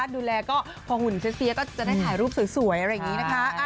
ดูแลก็พอหุ่นเสียก็จะได้ถ่ายรูปสวยอะไรอย่างนี้นะคะ